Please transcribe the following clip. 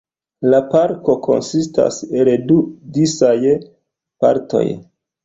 La parko konsistas el du disaj partoj.